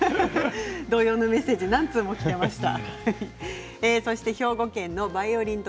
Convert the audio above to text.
同様のメッセージ何通もきていました。